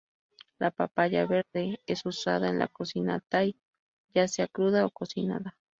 La papaya verde es usada en la cocina Thai ya sea cruda o cocinada.